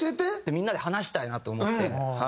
みんなで話したいなと思って。